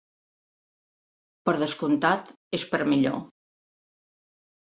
Per descomptat, és per a millor.